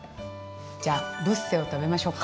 じゃあブッセを食べましょうか。